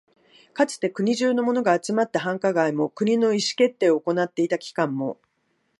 かつて国中のものが集まった繁華街も、国の意思決定を行っていた機関も、